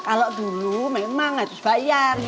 bapak tuh mau cari siapa sih